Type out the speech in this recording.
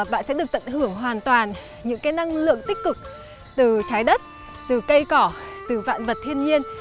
bạn sẽ được tận hưởng hoàn toàn những cái năng lượng tích cực từ trái đất từ cây cỏ từ vạn vật thiên nhiên